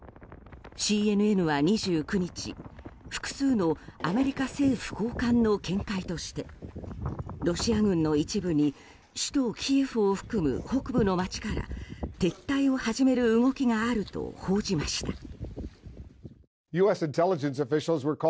ＣＮＮは２９日、複数のアメリカ政府高官の見解としてロシア軍の一部に首都キエフを含む北部の街から撤退を始める動きがあると報じました。